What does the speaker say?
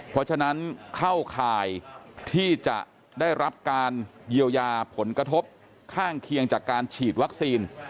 เพราะฉะนั้นเข้าข่ายที่จะได้รับการเยียวยาผลกระทบข้างเคียงจากการฉีดวัคซีน